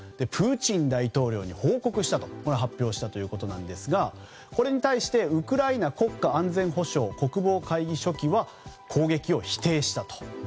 プーチン大統領に報告したと発表したということですがこれに対してウクライナ国家安全保障・国防会議書記は攻撃を否定したと。